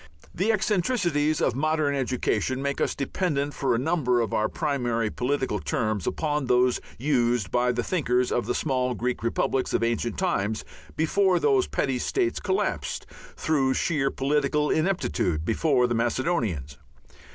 The eccentricities of modern education make us dependent for a number of our primary political terms upon those used by the thinkers of the small Greek republics of ancient times before those petty states collapsed, through sheer political ineptitude, before the Macedonians.